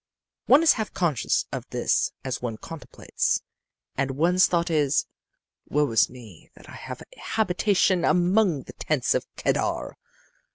"One is half conscious of this as one contemplates, and one's thought is, 'Woe is me that I have my habitation among the tents of Kedar!